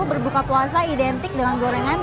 berbuka puasa identik dengan gorengan